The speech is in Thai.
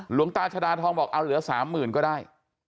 หลวงตาชดาทองบอกเอาเหลือ๓๐๐๐ก็ได้